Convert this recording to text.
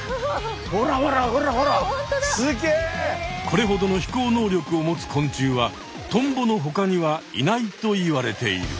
これほどの飛行能力を持つ昆虫はトンボのほかにはいないといわれている。